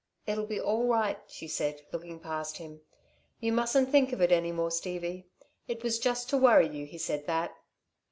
"It'll be all right," she said, looking past him. "You mustn't think of it any more, Stevie. It was just to worry you, he said that."